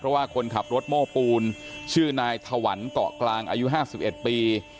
เพราะว่าคนขับรถโม่ปูนชื่อนายถวรรณเกาะกลางอายุห้าสิบเอ็ดปี